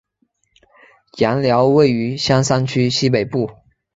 杨寮位于香山区西北部。